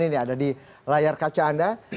ini ada di layar kaca anda